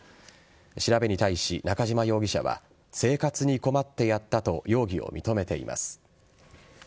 調べに対し、中嶋容疑者は生活に困ってやったと容疑を認めています。